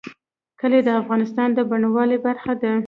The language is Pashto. کلي د افغانستان د بڼوالۍ برخه ده.